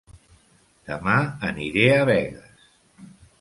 Dema aniré a Begues